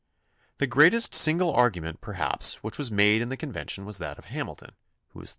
The great est single argument, perhaps, which was made in the convention was that of Hamilton, who was 30.